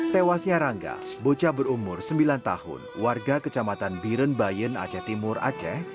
tewasnya rangga bocah berumur sembilan tahun warga kecamatan birenbayan aceh timur aceh